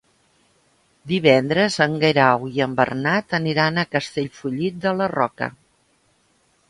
Divendres en Guerau i en Bernat aniran a Castellfollit de la Roca.